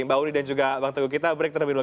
mbak uni dan juga bang teguh kita break terlebih dahulu